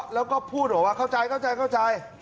แล้วก็พูดหรือว่าเข้าใจเข้าใจเข้าใจ